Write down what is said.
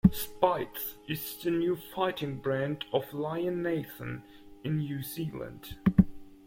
Speight's is the fighting brand of Lion Nathan in New Zealand.